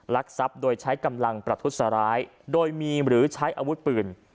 ลักทรัพย์โดยใช้กำลังประทุษร้ายโดยมีหรือใช้อาวุธปืน